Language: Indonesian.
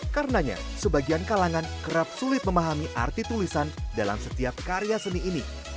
karena sebagian kalangan kerap sulit memahami arti tulisan dalam setiap karya seni ini